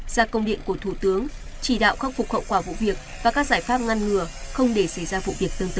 ra công điện của thủ tướng chỉ đạo khắc phục hậu quả vụ việc và các giải pháp ngăn ngừa không để xảy ra vụ việc tương tự